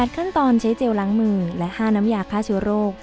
ขั้นตอนใช้เจลล้างมือและ๕น้ำยาฆ่าเชื้อโรค